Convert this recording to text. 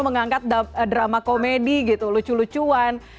mengangkat drama komedi gitu lucu lucuan